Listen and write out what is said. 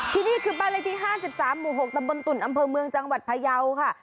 ที่นี่คือบ้าน๕๓๖ตำบลตุ่นอำเภอเมืองจังหวัดพายาวค่ะ